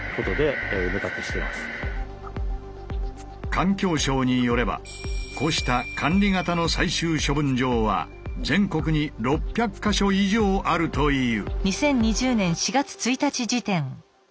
環境省によればこうした管理型の最終処分場は全国に６００か所以上あるという。